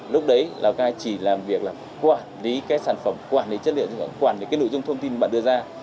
lúc đấy lào cai chỉ làm việc là quản lý sản phẩm quản lý chất lượng quản lý nội dung thông tin bạn đưa ra